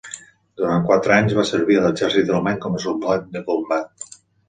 Durant quatre anys, va servir a l'exèrcit alemany com a soldat de combat.